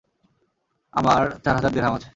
আমার চার হাজার দেরহাম আছে।